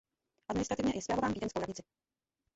Administrativně je spravován vídeňskou radnici.